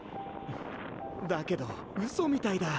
だけど嘘みたいだ。